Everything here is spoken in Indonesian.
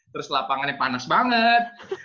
terus lapangannya panas banget